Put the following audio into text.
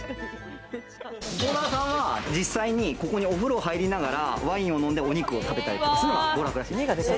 オーナーさんは実際にここにお風呂入りながら、ワインを飲んで、お肉を食べたりとかする。